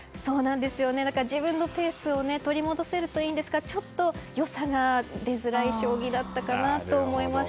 自分のペースを取り戻せるといいんですがちょっと、良さが出づらい将棋だったかなと思いました。